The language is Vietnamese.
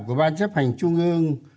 của ban chấp hành trung ương